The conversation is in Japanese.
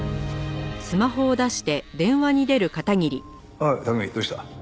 ああ拓海どうした？